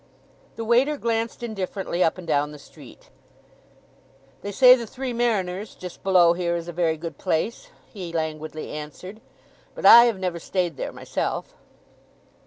The waiter glanced indifferently up and down the street. "They say the Three Mariners, just below here, is a very good place," he languidly answered; "but I have never stayed there myself."